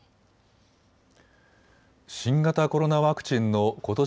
新型コロナワクチンのことし